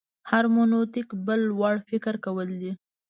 هرمنوتیک بل وړ فکر کول دي.